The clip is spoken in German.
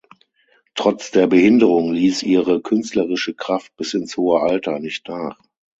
Trotz der Behinderung ließ ihre künstlerische Kraft bis ins hohe Alter nicht nach.